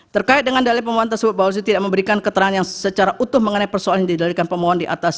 terkait dengan dalil pemohon tersebut bawaslu tidak memberikan keterangan yang secara utuh mengenai persoalan yang didalikan pemohon di atas